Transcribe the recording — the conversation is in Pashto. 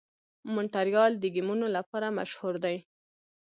مونټریال د ګیمونو لپاره مشهور دی.